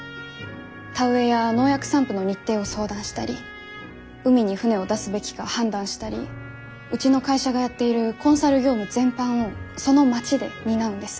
田植えや農薬散布の日程を相談したり海に船を出すべきか判断したりうちの会社がやっているコンサル業務全般をその町で担うんです。